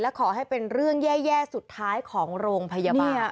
ขอให้เป็นเรื่องแย่สุดท้ายของโรงพยาบาล